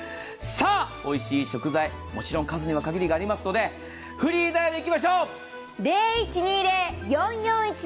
おいしい食材、数に限りがありますのでフリーダイヤルでいきましょう！